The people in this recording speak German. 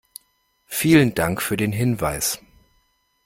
Vielen Dank für den Hinweis.